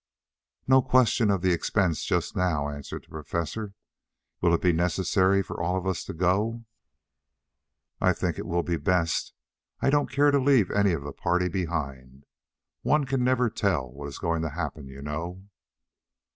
"No question of expense just now," answered the Professor. "Will it be necessary for all of us to go?" "I think it will be best. I don't care to leave any of the party behind. One never can tell what is going to happen, you know."